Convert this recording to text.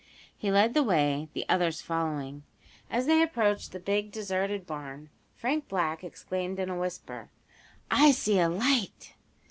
He led the way, the others following. As they approached the big, deserted barn Frank Black exclaimed in a whisper: "I see a light!"